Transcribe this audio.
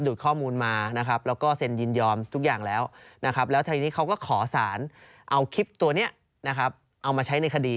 ข้อมูลมานะครับแล้วก็เซ็นยินยอมทุกอย่างแล้วนะครับแล้วทีนี้เขาก็ขอสารเอาคลิปตัวนี้นะครับเอามาใช้ในคดี